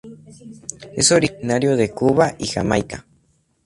Es originario de Cuba y Jamaica.